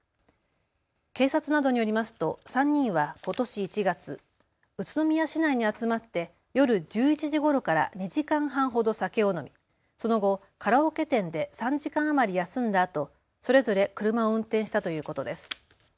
警察などによりますと３人はことし１月、宇都宮市内に集まって夜１１時ごろから２時間半ほど酒を飲みその後、カラオケ店で３時間余り休んだあとそれぞれ車を運転したということです。